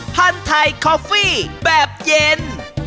พันธุ์ไทยคอฟฟี่แบบเย็น